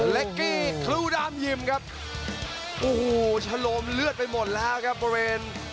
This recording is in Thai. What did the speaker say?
เล็กกี้ครูดามยิมครับโอ้โหชะโลมเลือดไปหมดแล้วครับบริเวณ